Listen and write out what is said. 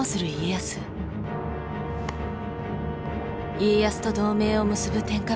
家康と同盟を結ぶ天下人